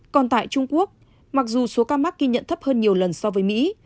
còn tại trung quốc mặc dù số ca mắc ghi nhận thấp hơn nhiều lần so với mỹ